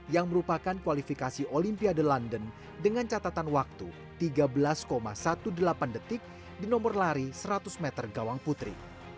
yang merupakan kualifikasi olimpiade london dengan catatan waktu tiga belas delapan belas detik di nomor lari seratus meter gawang putri